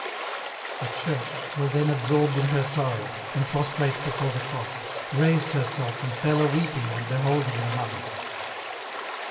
The Church, till then absorbed in her sorrow, and pros trate before the Cross, raised herself and fell a weeping on beholding the Mother.